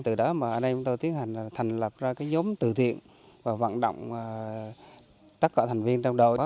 từ đó anh em tôi tiến hành thành lập ra nhóm từ thiện và vận động tất cả thành viên trong đội